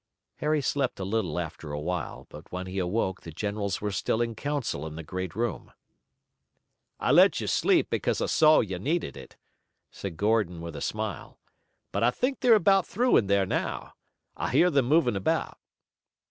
Harry slept a little after a while, but when he awoke the generals were still in council in the great room. "I let you sleep because I saw you needed it," said Gordon with a smile, "but I think they're about through in there now. I hear them moving about."